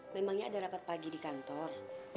memangnya ada rapat pagi di kantor